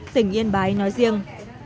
tỉnh yên bái nói riêng